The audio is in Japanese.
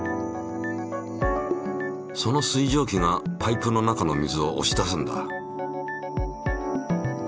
その水蒸気がパイプの中の水をおし出すんだ。